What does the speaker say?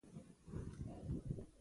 غوث الدين چيغې وهلې.